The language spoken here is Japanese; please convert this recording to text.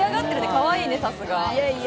かわいいね、さすが。